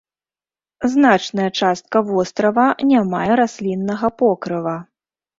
Значная частка вострава не мае расліннага покрыва.